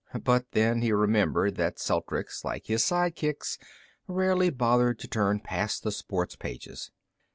But then he remembered that Celtrics, like his sidekicks, rarely bothered to turn past the sports pages.